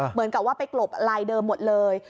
เหมือนกับว่าไปกลบลายเดิมหมดเลย